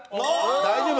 大丈夫？